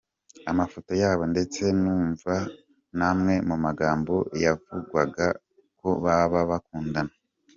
amafoto yabo ndetse numva namwe mu magambo yavugwaga ko baba bakundana.